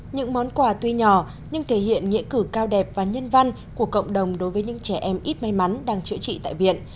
những món quà tuy nhỏ nhưng thể hiện nghĩa cử cao đẹp và nhân văn của cộng đồng đối với những trẻ em ít may mắn đang chữa trị tại viện